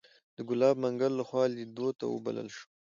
د ګلاب منګل لخوا لیدو ته وبلل شوو.